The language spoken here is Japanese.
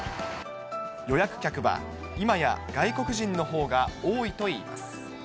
予約客はいまや外国人のほうが多いといいます。